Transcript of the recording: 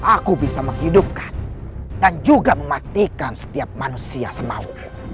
aku bisa menghidupkan dan juga mematikan setiap manusia semau